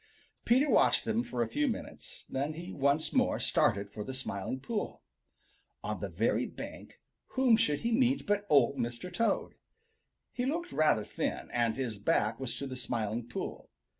Peter watched them for a few minutes, then he once more started for the Smiling Pool. On the very bank whom should he meet but Old Mr. Toad. He looked rather thin, and his back was to the Smiling Pool.